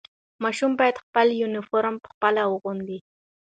ماشوم باید خپل یونیفرم خپله واغوندي.